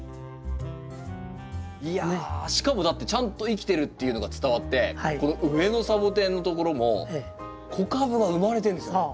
いやしかもだってちゃんと生きてるっていうのが伝わってこの上のサボテンのところも子株が生まれてるんですよね。